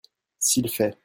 S'il fait.